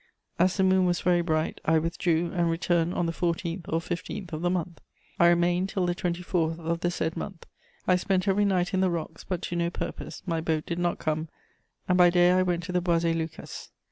As the moon was very bright, I withdrew, and returned on the 14th or 15th of the month. I remained till the 24th of the said month. I spent every night in the rocks, but to no purpose; my boat did not come, and by day I went to the Boisé Lucas'.